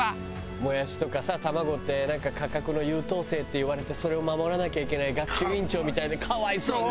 もやしとかさ卵ってなんか価格の優等生っていわれてそれを守らなきゃいけない学級委員長みたいで可哀想ね！